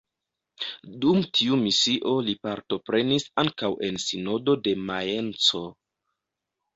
Dum tiu misio li partoprenis ankaŭ en sinodo de Majenco.